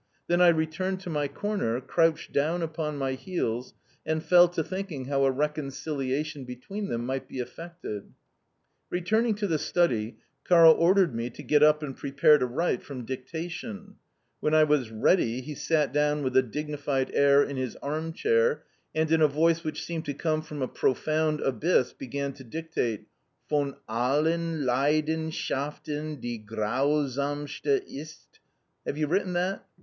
Then I returned to my corner, crouched down upon my heels, and fell to thinking how a reconciliation between them might be effected. Returning to the study, Karl ordered me to get up and prepare to write from dictation. When I was ready he sat down with a dignified air in his arm chair, and in a voice which seemed to come from a profound abyss began to dictate: "Von al len Lei den shaf ten die grau samste ist. Have you written that?"